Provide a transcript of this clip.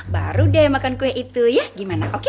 baru deh makan kue itu ya gimana